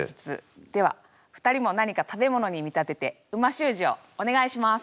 では２人も何か食べ物に見立てて美味しゅう字をお願いします。